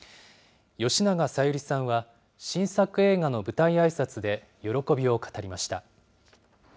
吉永小百合さんは、新作映画の舞台あいさつで、喜びを語りました。